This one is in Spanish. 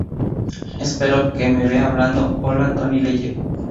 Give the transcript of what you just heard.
Espero que me vea hablando..." Hola, Tony Bellew.